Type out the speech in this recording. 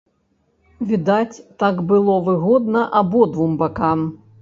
Відаць, так было выгодна абодвум бакам.